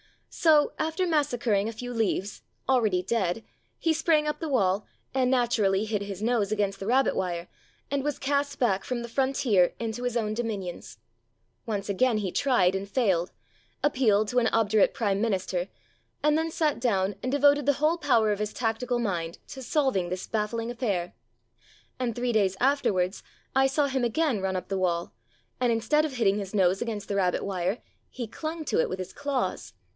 So, after massacring a few leaves (already dead), he sprang up the wall, and naturally hit his nose against the rabbit wire, and was cast back from the frontier into his own dominions. Once again he tried and failed, appealed to an obdurate prime minister, and then sat down and devoted the whole power of his tactical mind lo solving this baffling affair. And three days afterwards I saw him again run up the wall, and instead of hitting his nose against the rabbit wire, he clung to it with his claws.